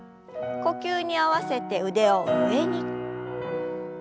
呼吸に合わせて腕を上に。